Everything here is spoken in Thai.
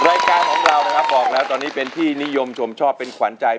รายการของเรานะครับบอกแล้วตอนนี้เป็นที่นิยมชมชอบเป็นขวัญใจ